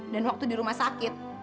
dan waktu di rumah sakit